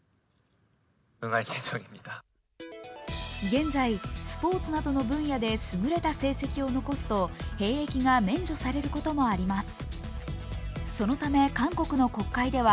現在、スポーツなどの分野で優れた成績を残すと兵役が免除されることもあります。